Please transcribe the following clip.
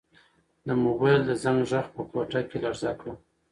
د موبایل د زنګ غږ په کوټه کې لړزه کړه.